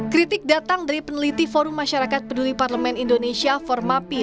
kritik datang dari peneliti forum masyarakat peduli parlemen indonesia formapi